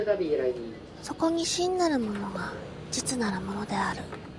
そこに真なるものが実なるものである。